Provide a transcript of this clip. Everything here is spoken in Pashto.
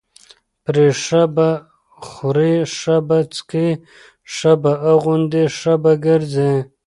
پرې ښه به خوري، ښه به څکي ښه به اغوندي، ښه به ګرځي،